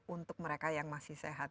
untuk mereka yang masih sehat